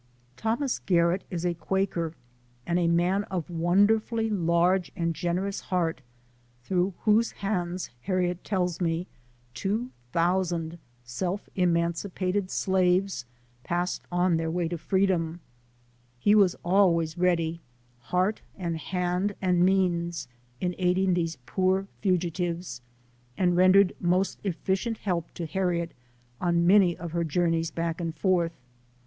Thomas Garrett is a Qua ker, and a man of a wonderfully large and generous heart, through whose hands, Harriet tells me, two thousand self emancipated slaves passed on their way to freedom. He was always ready, heart and LIFE OF HAUEIET TUBMAN. 31 hand and means, in aiding these poor fugitives, and rendered most efficient help to Harriet on many of her journeys back and forth.